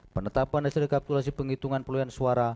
penetapan hasil rekapitulasi penghitungan peluhan suara